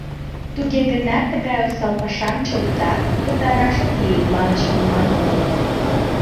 Туге гынат тыгай осал пашам чылтак пытараш ок лий, манын шоныман огыл.